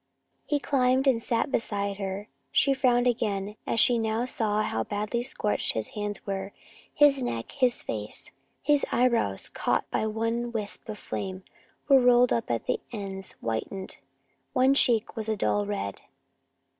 He climbed up and sat beside her. She frowned again as she now saw how badly scorched his hands were, his neck, his face. His eyebrows, caught by one wisp of flame, were rolled up at the ends, whitened. One cheek was a dull red.